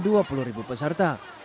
jangan lupa peserta